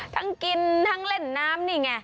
กินทั้งเล่นน้ำนี่ไง